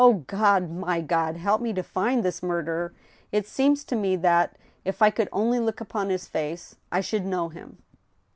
.. O God — my God, help me to find this murderer ! It seems to me that, if I could only look upon his face, I should know him!"